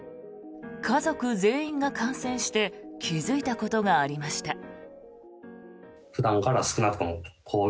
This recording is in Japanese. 家族全員が感染して気付いたことがありました。